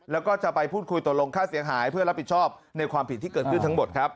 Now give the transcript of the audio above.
แล้วก็จะไปพูดคุยตกลงค่าเสียหายเพื่อรับผิดชอบในความผิดที่เกิดขึ้นทั้งหมดครับ